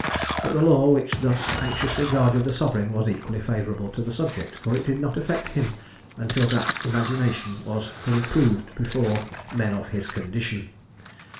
But the law which thus anxiously guarded the sovereign was equally favourable to the subject; for it did not affect him until that imagination was fully proved before "men of his condition."